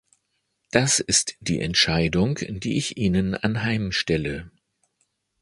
Das ist die Entscheidung, die ich Ihnen anheim stelle.